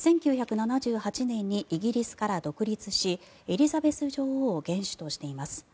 １９７８年にイギリスから独立しエリザベス女王を元首としています。